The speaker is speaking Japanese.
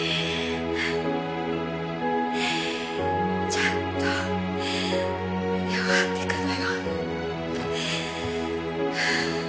ちゃんと胸を張ってくのよ。